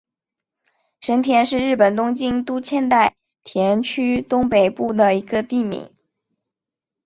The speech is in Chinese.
神田是日本东京都千代田区东北部的一个地名。